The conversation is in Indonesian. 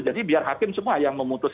jadi biar hakim semua yang memutus